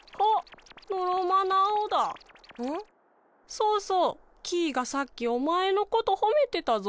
そうそう！キイがさっきおまえのことほめてたぞ。